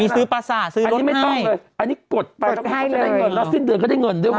ซื้อประสาทซื้ออันนี้ไม่ต้องเลยอันนี้กดไปก็จะได้เงินแล้วสิ้นเดือนก็ได้เงินด้วยว